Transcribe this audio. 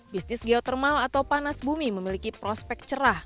bisnis geotermal atau panas bumi memiliki prospek cerah